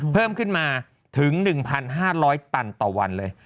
เพิ่มขึ้นมาถึง๑๕๐๐ตันต่อวันเลย